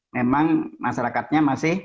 memang masyarakatnya masih